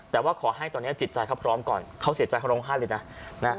แต่ว่าขอให้ตอนนี้จิตใจครับพร้อมก่อนเค้าเสียใจข้างลงห้าเลยนะ